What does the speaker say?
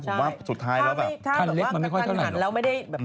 ผมว่าสุดท้ายแล้วแบบคันเล็กมันไม่ค่อยถนัดแล้วไม่ได้แบบ